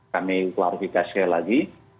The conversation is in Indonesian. kami klarifikasi lagi